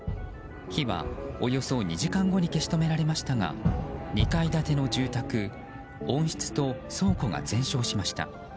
火は、およそ２時間後に消し止められましたが２階建ての住宅温室と倉庫が全焼しました。